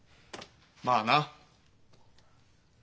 まあな。